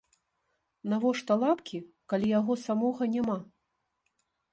Навошта лапкі, калі яго самога няма?